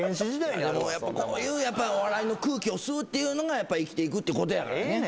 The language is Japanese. やっぱこういうお笑いの空気を吸うっていうのが生きていくってことやからね。